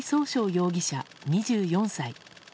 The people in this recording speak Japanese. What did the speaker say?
容疑者、２４歳。